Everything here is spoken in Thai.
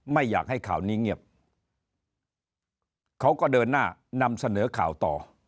ไม่อยากให้ข่าวนี้เงียบเขาก็เดินหน้านำเสนอข่าวต่อ